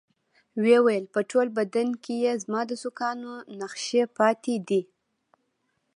ويې ويل په ټول بدن کښې يې زما د سوکانو نخښې پاتې دي.